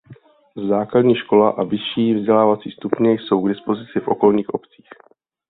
Základní škola a vyšší vzdělávací stupně jsou k dispozici v okolních obcích.